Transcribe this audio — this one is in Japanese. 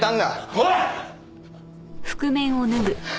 おい！